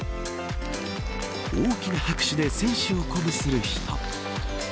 大きな拍手で選手を鼓舞する人。